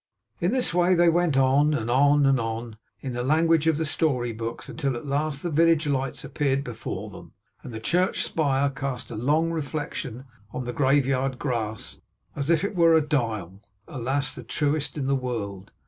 In this way they went on, and on, and on in the language of the story books until at last the village lights appeared before them, and the church spire cast a long reflection on the graveyard grass; as if it were a dial (alas, the truest in the world!)